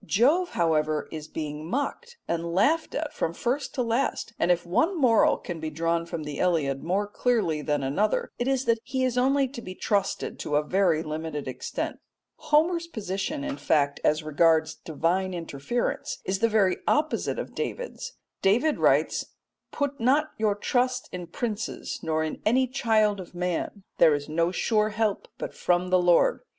Jove, however, is being mocked and laughed at from first to last, and if one moral can be drawn from the Iliad more clearly than another, it is that he is only to be trusted to a very limited extent. Homer's position, in fact, as regards divine interference is the very opposite of David's. David writes, "Put not your trust in princes nor in any child of man; there is no sure help but from the Lord."